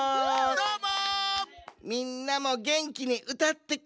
どーも！